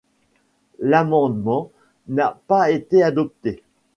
L'amendent n'a pas été adopté.